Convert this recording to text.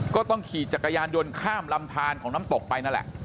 ก็ต้องขี่จักรยานยนต์ข้ามลำทานของน้ำตกไปนั่นแหละ